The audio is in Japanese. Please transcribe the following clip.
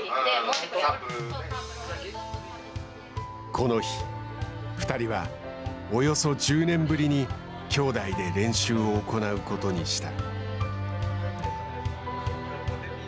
この日２人はおよそ１０年ぶりに兄弟で練習を行うことにした。